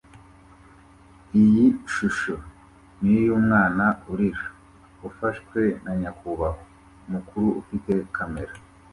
Iyi shusho niyumwana urira ufashwe na nyakubahwa mukuru ufite kamera